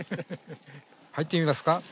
入ってみますか？